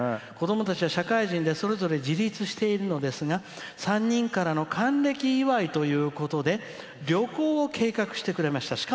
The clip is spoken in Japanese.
「子どもたちは社会人でそれぞれ自立しているんですが３人からの還暦祝いということで旅行を計画してくれました。